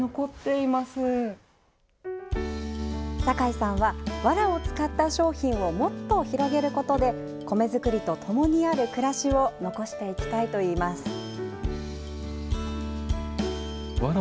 酒井さんは、わらを使った商品をもっと広げることで米作りとともにある暮らしを残していきたいといいます。